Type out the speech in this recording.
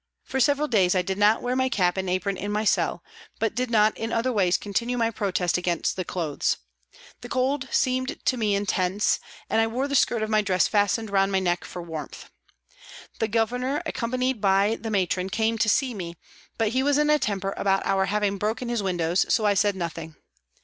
For several days I did not wear my cap and apron in my cell, but did not in other ways continue my protest against the clothes. The cold seemed to me intense, and I wore the skirt of my dress fastened round my neck for warmth. The Governor, accompanied by the Matron, came to see me, but he was in a temper about our having broken his windows, so I said nothing.